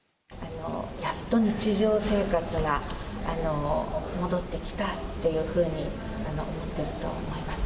やっと日常生活が戻ってきたというふうに思っていると思います。